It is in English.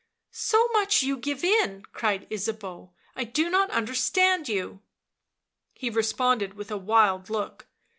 " So much you give in !" cried Ysabeau. u I do not understand you." He responded with a wild look.